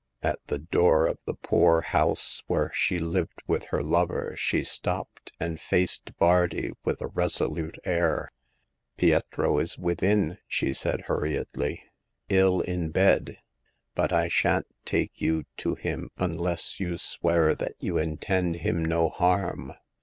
At the door of the poor house where she lived with her lover she stopped, and faced Bardi with a resolute air. " Pietro is within," she said, hurriedly, " ill in bed ; but I shan't take you to him unless you swear that you intend him no harm."